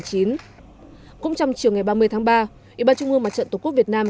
cũng trong chiều ngày ba mươi tháng ba ủy ban trung ương mặt trận tổ quốc việt nam